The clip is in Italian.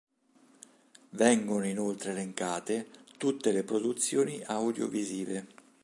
Vengono inoltre elencate tutte le produzioni audiovisive.